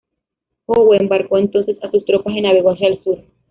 Howe embarcó entonces a sus tropas y navegó hacia el sur.